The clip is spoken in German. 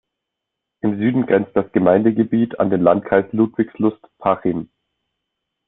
Im Süden grenzt das Gemeindegebiet an den Landkreis Ludwigslust-Parchim.